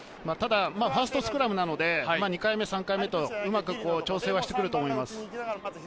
ファーストスクラムなので２回目３回目とうまく調整してくると思います。